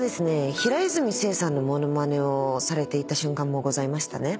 平泉成さんのものまねをされていた瞬間もございましたね。